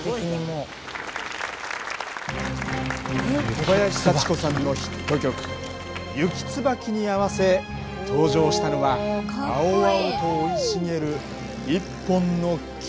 小林幸子さんのヒット曲「雪椿」に合わせ登場したのは青々と生い茂る一本の木。